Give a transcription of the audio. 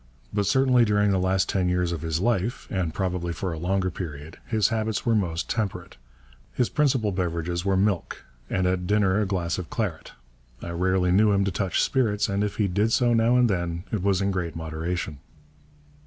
But certainly during the last ten years of his life (and probably for a longer period) his habits were most temperate. His principal beverages were milk and at dinner a glass of claret. I rarely knew him to touch spirits, and if he did so now and then, it was in great moderation.